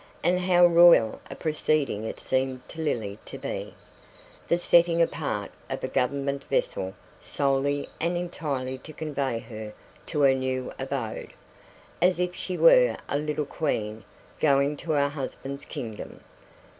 And how royal a proceeding it seemed to Lily to be, the setting apart of a Government vessel solely and entirely to convey her to her new abode, as if she were a little queen going to her husband's kingdom.